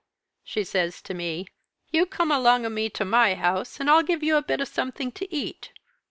She says to me, 'You come along o' me to my house, and I'll give you a bit of something to eat.'